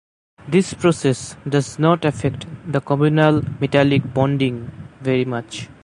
This process does not affect the communal metallic bonding very much.